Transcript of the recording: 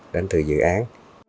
đến từ dự án